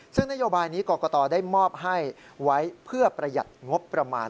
ซึ่งนโยบายนี้กรกตได้มอบให้ไว้เพื่อประหยัดงบประมาณ